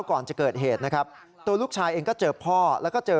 ก่อนจะเกิดเหตุนะครับตัวลูกชายเองก็เจอพ่อแล้วก็เจอ